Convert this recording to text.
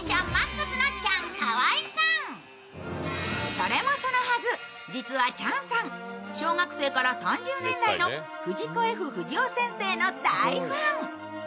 それもそのはず、実はチャンさん小学生から３０年来の藤子・Ｆ・不二雄先生の大ファン。